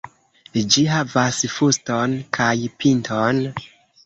Ĝi havas fuston kaj pinton.